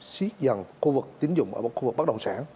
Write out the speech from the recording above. siết dần khu vực tín dụng ở khu vực bất động sản